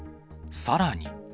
さらに。